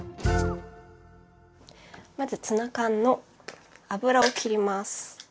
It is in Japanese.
まずツナ缶の油を切ります。